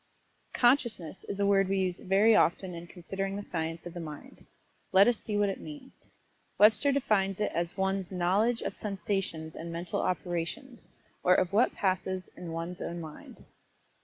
"Consciousness" is a word we use very often in considering the science of the Mind. Let us see what it means. Webster defines it as one's "knowledge of sensations and mental operations, or of what passes in one's own mind."